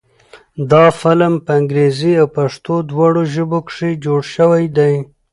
دا فلم په انګريزۍ او پښتو دواړو ژبو کښې جوړ شوے دے